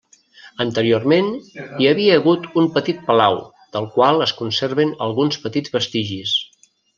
Anteriorment hi havia hagut un petit palau, del qual es conserven alguns petits vestigis.